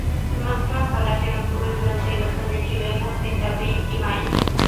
Su máxima floración ocurre durante el otoño chileno, entre abril y mayo.